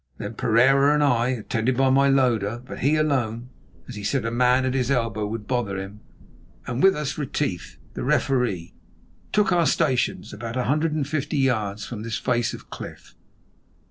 Then Pereira and I—I attended by my loader, but he alone, as he said a man at his elbow would bother him—and with us Retief, the referee, took our stations about a hundred and fifty yards from this face of cliff.